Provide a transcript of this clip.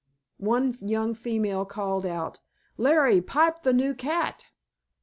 One young female called out, "Larry, pipe the new cat!"